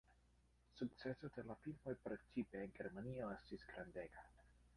Sukceso de la filmoj precipe en Germanio estis grandega.